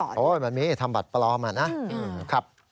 โอ้ยมันมีทำบัตรปลอมอะนะ